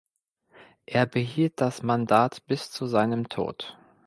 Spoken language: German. Er behielt das Mandat bis zu seinem Tod.